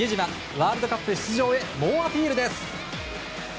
ワールドカップ出場へ猛アピールです。